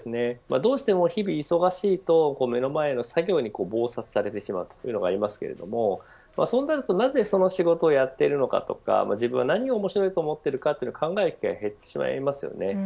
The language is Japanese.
どうしても日々忙しいと目の前の作業に忙殺されてしまうというのがありますがそうなるとなぜその仕事をやっているのかとか自分は何が面白いと思っているかというのを考えてしまいます。